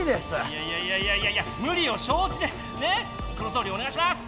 いやいやいやいやいやいやむ理をしょう知でねっこのとおりおねがいします！